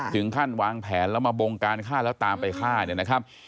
ถึงขั้นวางแผนแล้วมาบงการฆ่าแล้วตามไปฆ่าเนี่ยนะครับ